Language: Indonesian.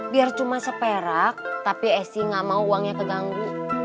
biar cuma seperak tapi esi nggak mau uangnya keganggu